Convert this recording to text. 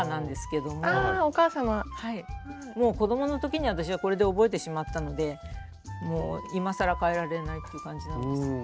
もう子供の時に私はこれで覚えてしまったのでもう今更変えられないっていう感じなんです。